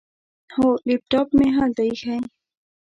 هو، لیپټاپ مې هلته ایښی.